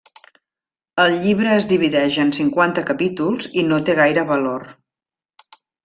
El llibre es divideix en cinquanta capítols i no té gaire valor.